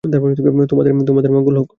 তোমাদের মঙ্গল হোক!